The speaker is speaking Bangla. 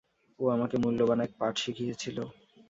ও আমাকে মূল্যবান এক পাঠ শিখিয়েছিল।